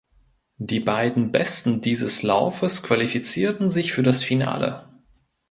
Die beiden besten dieses Laufes qualifizierten sich für das Finale.